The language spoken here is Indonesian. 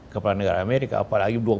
kepala negara amerika apalagi